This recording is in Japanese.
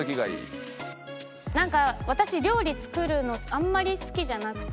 なんか私料理作るのあんまり好きじゃなくて。